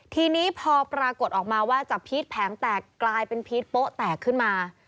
ทีนี้พอปรากฏออกมาว่าจะพีชแผงแตกกลายเป็นพีชโป๊ะแตกขึ้นมา